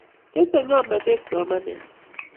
Tesei ng'omnatet somanet